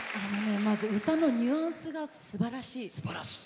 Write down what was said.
まず歌のニュアンスがすばらしい。